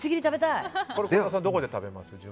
孝太郎さんどこで食べます？